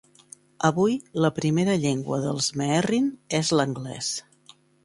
Avui, la primera llengua dels Meherrin és l'anglès.